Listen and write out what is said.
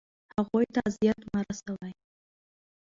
هغوی ته اذیت مه رسوئ.